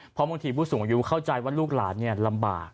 เพราะบางทีผู้สูงอายุเข้าใจว่าลูกหลานลำบาก